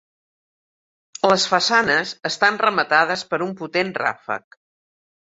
Les façanes estan rematades per un potent ràfec.